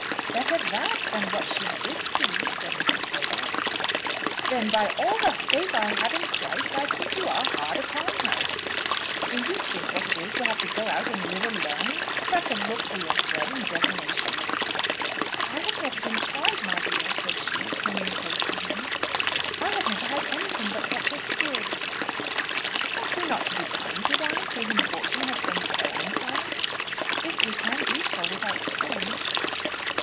"Better that than what she did do," said Mrs. Wortle. "Then, by all the faith I have in Christ, I think you are hard upon her. Do you think what it is to have to go out and live alone; to have to look for your bread in desolation?" "I have never been tried, my dear," said she, clinging close to him. "I have never had anything but what was good." "Ought we not to be kind to one to whom Fortune has been so unkind?" "If we can do so without sin."